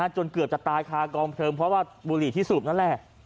จนเกือบจะตายคากองเพลิงเพราะว่าบุหรี่ที่สูบนั่นแหละ